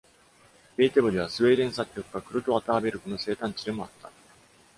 イェーテボリは、スウェーデン作曲家クルト・アターベルクの生誕地でもあった。